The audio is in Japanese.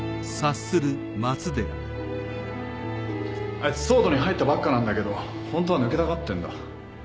あいつＳＷＯＲＤに入ったばっかなんだけどホントは抜けたがってんだ。